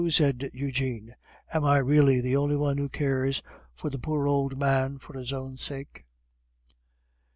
said Eugene. "Am I really the only one who cares for the poor old man for his own sake?"